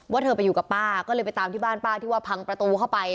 เธอไปอยู่กับป้าก็เลยไปตามที่บ้านป้าที่ว่าพังประตูเข้าไป